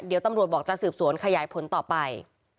เดี๋ยวตำรวจบอกจะสืบสวนขยายผลต่อไป